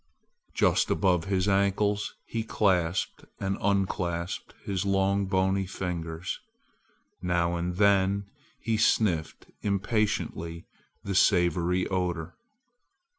Just above his ankles he clasped and unclasped his long bony fingers. Now and then he sniffed impatiently the savory odor.